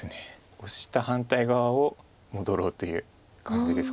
オシた反対側を戻ろうという感じですか。